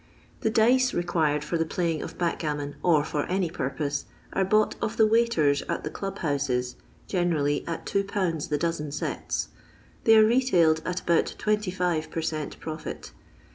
The Dice required for the playing of backgam mon, or for any purpose, are bought of the waiters at the dnb bouses, generally at 21. the dozen sets. They are retailed at about 25 per cent, profit.